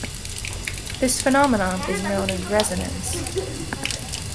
This phenomenon is known as resonance.